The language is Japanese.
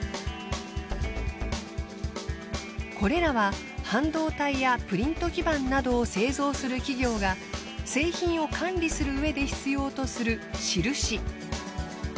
これらは半導体やプリント基板などを製造する企業が製品を管理するうえで必要とする印。